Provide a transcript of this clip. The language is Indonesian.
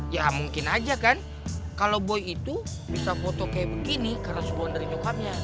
ya mungkin aja kan kalau boy itu bisa foto kayak begini karena sebagian dari jokapnya